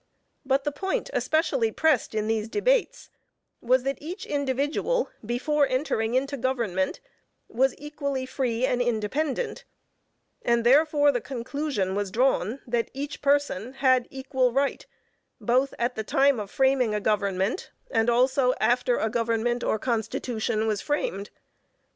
But the point especially pressed in these debates was that each individual before entering into government, was equally free and independent: and therefore the conclusion was drawn that each person had equal right both at the time of framing a government, and also after a government or constitution was framed.